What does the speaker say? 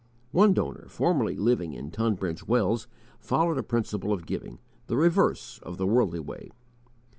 One donor, formerly living in Tunbridge Wells, followed a principle of giving, the reverse of the worldly way.